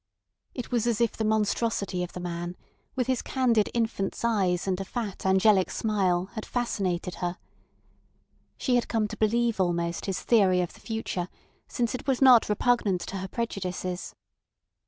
It was as if the monstrosity of the man, with his candid infant's eyes and a fat angelic smile, had fascinated her. She had come to believe almost his theory of the future, since it was not repugnant to her prejudices.